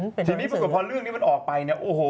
ทีนี้พอเรื่องนี้มันออกไปเนี้ย